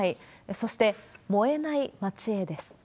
そして、燃えない街へです。